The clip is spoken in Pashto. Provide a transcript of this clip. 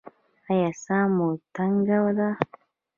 ایا ساه مو تنګه ده؟